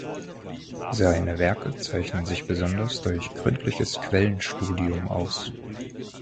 Seine Werke zeichnen sich besonders durch gründliches Quellenstudium aus.